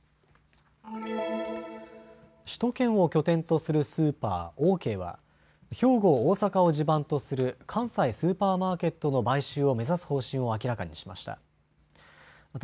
首都圏を拠点とするスーパー、オーケーは兵庫、大阪を地盤とする関西スーパーマーケットの買収を目指す方針を明らかにしました。